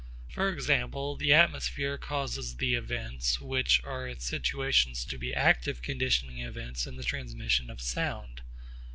For example, the atmosphere causes the events which are its situations to be active conditioning events in the transmission of sound.